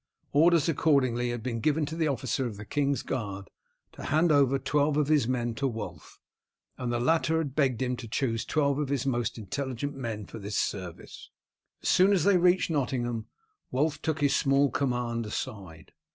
Orders accordingly had been given to the officer of the king's guard to hand over twelve of his men to Wulf, and the latter had begged him to choose twelve of his most intelligent men for this service. As soon as they reached Nottingham Wulf took his small command aside.